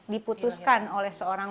diputuskan oleh seorang